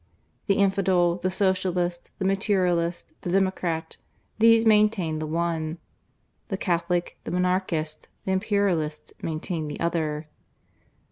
The infidel, the Socialist, the materialist, the democrat, these maintained the one; the Catholic, the Monarchist, the Imperialist maintained the other.